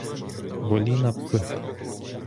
Воліна, П.